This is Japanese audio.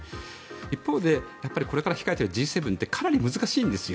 一方でこれから控えているＧ７ってかなり難しいんですよ。